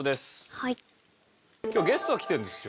今日ゲストが来てるんですよ。